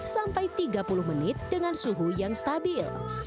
sampai tiga puluh menit dengan suhu yang stabil